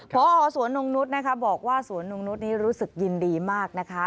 พอสวนนงนุษย์นะคะบอกว่าสวนนงนุษย์นี้รู้สึกยินดีมากนะคะ